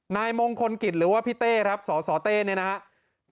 นายมงคลกิจหรือว่าพี่เต้ครับสสเต้เนี่ยนะครับ